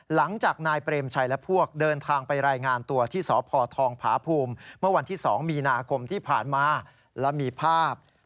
หลังจากนายเปรมชัยและพวกเดินทางไปรายงานตัวที่สพทองผาภูมิเมื่อวันที่๒มีนาคมที่ผ่านมาแล้วมีภาพ